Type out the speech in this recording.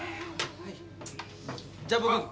はい。